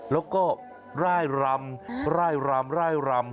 แล้วก็ร่ายรำไร่รำไร่รำ